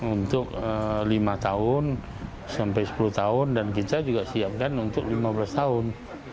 untuk lima tahun sampai sepuluh tahun dan kita juga siapkan untuk lima belas tahun